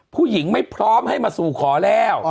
ผู้หญิงไม่พร้อมให้มาสู่ขอแล้ว